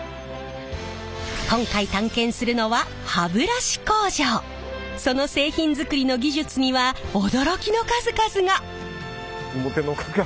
今回探検するのはその製品づくりの技術には驚きの数々が！